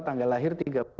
tanggal lahir tiga puluh satu